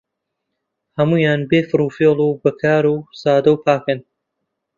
هەموویان بێ فڕوفێڵ و بەکار و سادە و پاکن